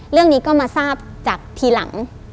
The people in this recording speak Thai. เรื่องนี้ก็มาทราบจากทีหลัง